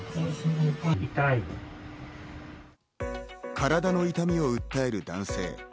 体の痛みを訴える男性。